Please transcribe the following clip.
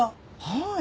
はい。